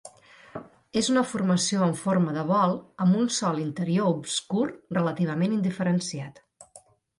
És una formació amb forma de bol amb un sòl interior obscur relativament indiferenciat.